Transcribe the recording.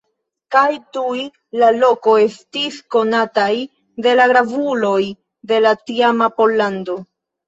Kaj tuj la loko estis konataj de la gravuloj de la tiama Pollando.